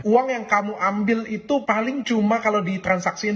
uang yang kamu ambil itu paling cuma kalau ditransaksiin